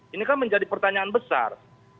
ini kan menjadi pertanyaan besar